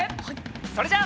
それじゃあ。